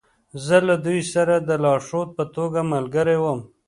زه له دوی سره د لارښود په توګه ملګری وم